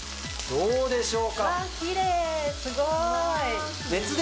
どうでしょう？